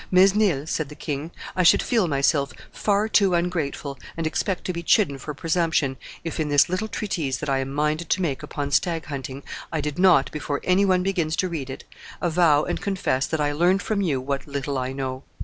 "Mesnil," said the king, "I should feel myself far too ungrateful, and expect to be chidden for presumption, if, in this little treatise that I am minded to make upon stag hunting, I did not, before any one begins to read it, avow and confess that I learnt from you what little I know.